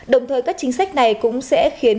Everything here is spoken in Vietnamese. đồng thời các chính sách này cũng sẽ khiến